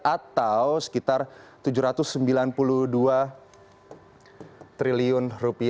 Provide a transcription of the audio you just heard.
atau sekitar rp tujuh ratus sembilan puluh dua triliun